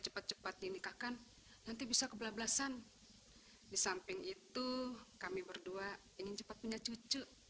cepat cepat dinikahkan nanti bisa kebablasan di samping itu kami berdua ingin cepat punya cucu